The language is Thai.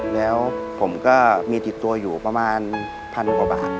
แล้วผมก็มีติดตัวอยู่ประมาณ๑๐๐๐บาท